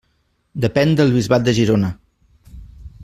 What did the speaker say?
Depèn del bisbat de Girona.